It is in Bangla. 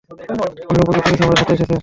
অবশেষে উপযুক্ত কিছু আমাদের হাতে এসেছে।